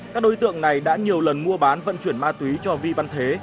các đối tượng này đã nhiều lần mua bán vận chuyển ma túy cho vi văn thế